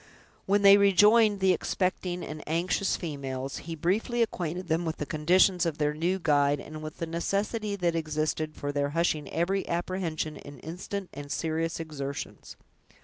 When they rejoined the expecting and anxious females, he briefly acquainted them with the conditions of their new guide, and with the necessity that existed for their hushing every apprehension in instant and serious exertions.